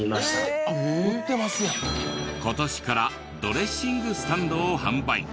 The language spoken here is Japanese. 今年からドレッシングスタンドを販売。